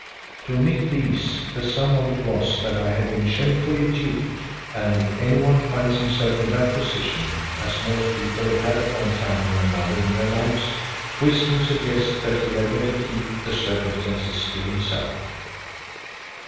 To omit these, the sum of it was that I had been shamefully duped, and if anyone finds himself in that position, as most people have at one time or another in their lives, Wisdom suggests that he had better keep the circumstances to himself.